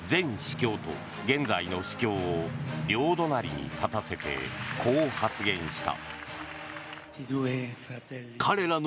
教と現在の司教を両隣に立たせてこう発言した。